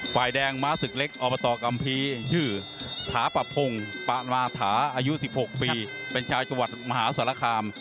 ฝ่ายแดงม้าศึกเล็กอบตกัมภีร์ชื่อถาปะพงปานวาถาอายุ๑๖ปีเป็นชาวจังหวัดมหาศาลคาม